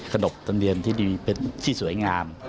ขนบธรรมเนียนที่ดีเป็นที่สวยงาม